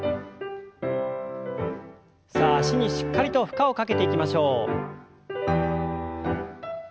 さあ脚にしっかりと負荷をかけていきましょう。